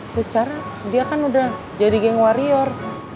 secara dia kan udah jadi geng warior